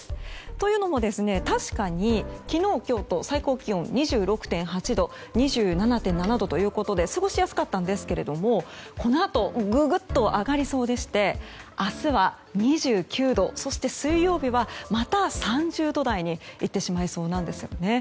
というのも確かに昨日、今日と最高気温２６．８度２７．７度ということで過ごしやすかったんですけどこのあとググっと上がりそうでして明日は２９度そして水曜日は、また３０度台にいってしまいそうなんですね。